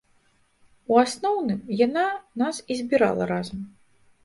У асноўным яна нас і збірала разам.